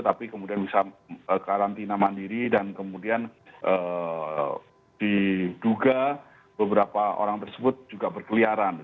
tapi kemudian bisa karantina mandiri dan kemudian diduga beberapa orang tersebut juga berkeliaran